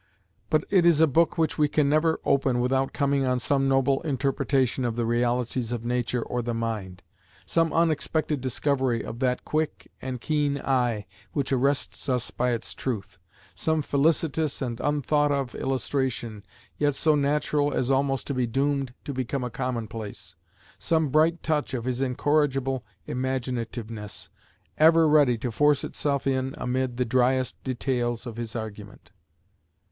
But it is a book which we can never open without coming on some noble interpretation of the realities of nature or the mind; some unexpected discovery of that quick and keen eye which arrests us by its truth; some felicitous and unthought of illustration, yet so natural as almost to be doomed to become a commonplace; some bright touch of his incorrigible imaginativeness, ever ready to force itself in amid the driest details of his argument.